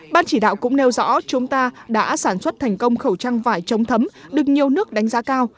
ban chỉ đạo cũng nêu rõ chúng ta đã sản xuất thành công khẩu trang vải chống thấm được nhiều nước đánh giá cao